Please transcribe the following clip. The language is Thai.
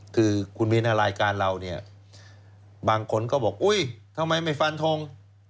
คือคุณมีนารายการเราเนี่ยบางคนก็บอกอุ๊ยทำไมไม่ฟันทง